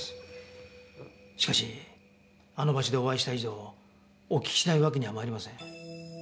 しかしあの場所でお会いした以上お聞きしないわけには参りません。